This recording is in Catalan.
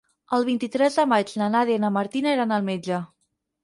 El vint-i-tres de maig na Nàdia i na Martina iran al metge.